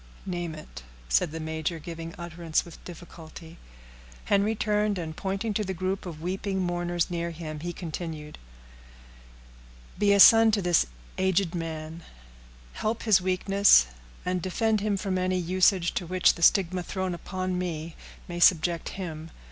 "Name it," said the major, giving utterance with difficulty. Henry turned, and pointing to the group of weeping mourners near him, he continued,— "Be a son to this aged man; help his weakness, and defend him from any usage to which the stigma thrown upon me may subject him.